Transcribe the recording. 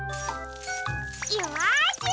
よし！